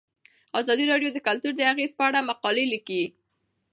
ازادي راډیو د کلتور د اغیزو په اړه مقالو لیکلي.